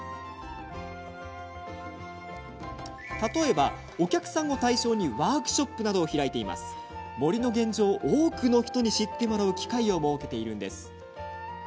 例えば、お客さんを対象にワークショップなどを開き森の現状を多くの人に知ってもらう機会を設けています。